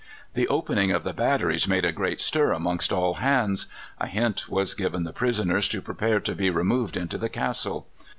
The opening of the batteries made a great stir amongst all hands. A hint was given the prisoners to prepare to be removed into the castle.